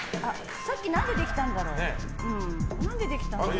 さっき何でできたんだろう？